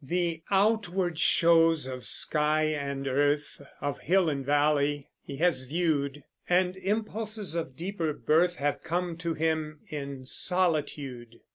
The outward shows of sky and earth, Of hill and valley, he has viewed; And impulses of deeper birth Have come to him in solitude.